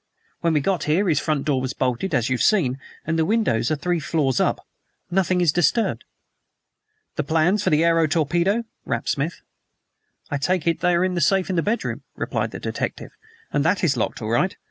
When we got here his front door was bolted, as you've seen, and the windows are three floors up. Nothing is disturbed." "The plans of the aero torpedo?" rapped Smith. "I take it they are in the safe in his bedroom," replied the detective, "and that is locked all right.